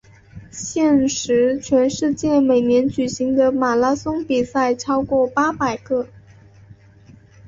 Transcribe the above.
现时全世界每年举行的马拉松比赛超过八百个。